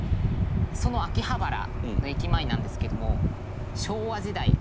その秋葉原の駅前なんですけども。